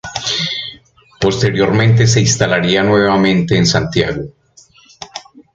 Posteriormente se instalaría nuevamente en Santiago.